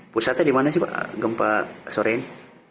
pusatnya di mana sih pak gempa sore ini